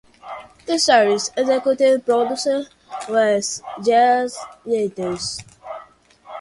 The series' executive producer was Jess Yates.